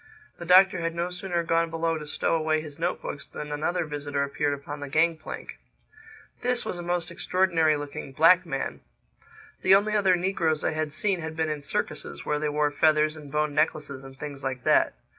The Doctor had no sooner gone below to stow away his note books than another visitor appeared upon the gang plank. This was a most extraordinary looking black man. The only other negroes I had seen had been in circuses, where they wore feathers and bone necklaces and things like that.